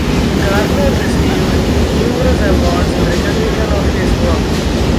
Garner received numerous awards in recognition of his work.